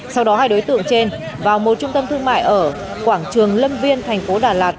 sau đó hai đối tượng trên vào một trung tâm thương mại ở quảng trường lâm viên thành phố đà lạt